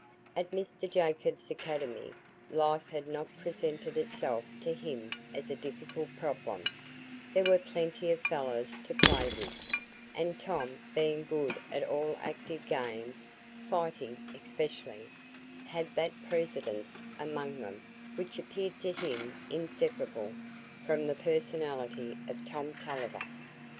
At Mr Jacob's academy life had not presented itself to him as a difficult problem; there were plenty of fellows to play with, and Tom being good at all active games,—fighting especially,—had that precedence among them which appeared to him inseparable from the personality of Tom Tulliver.